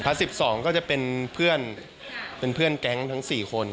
พระ๑๒ก็จะเป็นเพื่อนแก๊งทั้ง๔คน